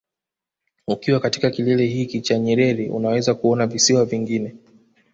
Ukiwa katika kilele hiki cha Nyerere unaweza kuona visiwa vingine